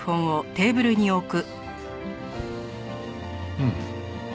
うん。